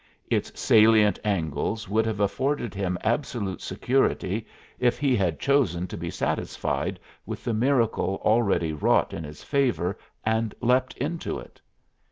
Its salient angles would have afforded him absolute security if he had chosen to be satisfied with the miracle already wrought in his favor and leapt into it.